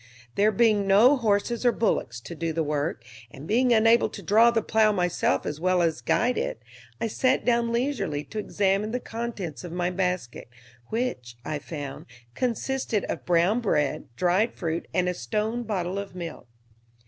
There being no horses or bullocks to do the work, and being unable to draw the plow myself as well as guide it, I sat down leisurely to examine the contents of my basket, which, I found, consisted of brown bread, dried fruit, and a stone bottle of milk.